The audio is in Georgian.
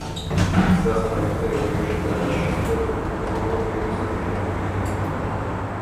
გზასთან ერთად რეგიონში გაჩნდა კოლონიების მთელი რიგი.